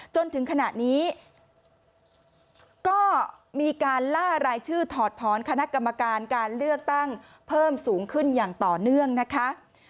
จนถึงขณะนี้ก็มีการล่ารายชื่อถอดถอนคณะกรรมการการเลือกตั้งเพิ่มสูงขึ้นอย่างต่อเนื่องนะคะ